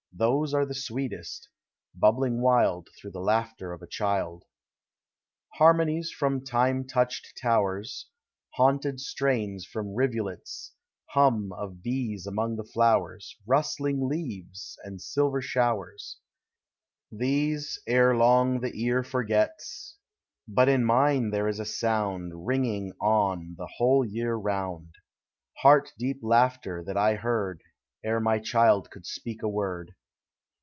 Those are sweetest, bubbling wild Through the laughter of a child. Harmonies from time touched towers, Haunted strains from rivulets, Hum of bees among the flowers, Bustling leaves, and silver showers, — These, erelong, the ear forgets; But in mine there is a sound Kinging on the whole year round — Heart deep laughter that I heard Ere my child could speak a word.